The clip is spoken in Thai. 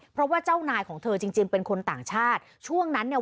เพราะว่าเจ้านายของเธอจริงจริงเป็นคนต่างชาติช่วงนั้นเนี่ย